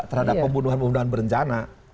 terhadap pembunuhan pembunuhan berencana